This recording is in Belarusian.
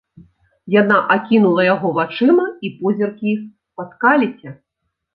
Яна акінула яго вачыма, і позіркі іх спаткаліся.